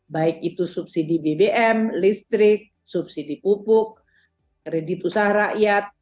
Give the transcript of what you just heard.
baik itu subsidi bbm listrik subsidi pupuk kredit usaha rakyat